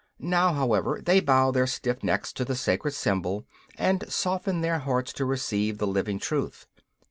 Now, however, they bow their stiff necks to the sacred symbol and soften their hearts to receive the living truth.